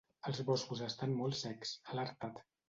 Els boscos estan molt secs, ha alertat.